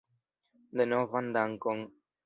Denovan dankon.